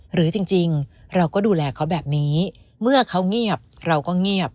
หรือจริงเราก็ดูแลเขาแบบนี้เมื่อเขาเงียบเราก็เงียบ